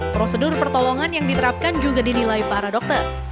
prosedur pertolongan yang diterapkan juga dinilai para dokter